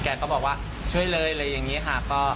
แกก็บอกว่าช่วยเลยอะไรอย่างนี้ค่ะ